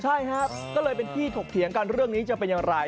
ใช่ครับก็เลยเป็นที่ถกเถียงกันเรื่องนี้จะเป็นอย่างไร